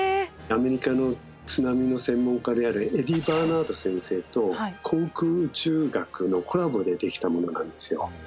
アメリカの津波の専門家であるエディ・バーナード先生と航空宇宙学のコラボで出来たものなんですよ。